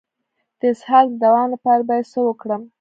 د اسهال د دوام لپاره باید څه وکړم؟